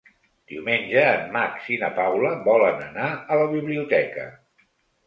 Diumenge en Max i na Paula volen anar a la biblioteca.